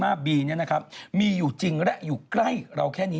และที่สำคัญอาจจะมีสิ่งมีชีวิตบนดาวดวงนี้